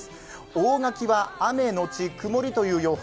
大垣は雨のち曇りという予想。